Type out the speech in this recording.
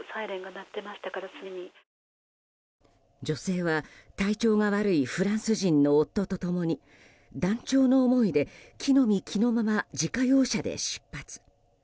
女性は体調が悪いフランス人の夫と共に断腸の思いで着の身着のまま自家用車で出発。